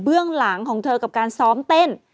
หลังของเธอกับการซ้อมเต้น